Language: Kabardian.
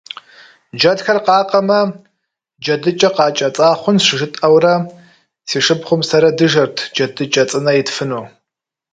Джэдхэр къакъэмэ, «джэдыкӏэ къакӏэцӏа хъунщ» жытӏэурэ, си шыпхъум сэрэ дыжэрт джэдыкӏэ цӏынэ итфыну.